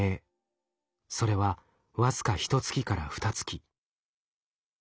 それは僅かひと月からふた月。